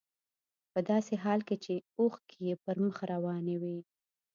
په داسې حال کې چې اوښکې يې پر مخ روانې وې.